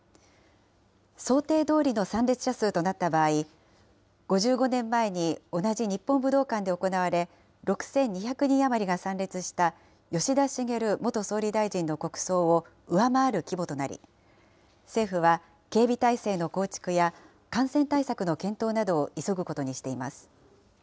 想定どおりの参列者数となった場合、５５年前に同じ日本武道館で行われ、６２００人余りが参列した、吉田茂元総理大臣の国葬を上回る規模となり、政府は警備態勢の構築や感染対策の検討などを急ぐことにしています。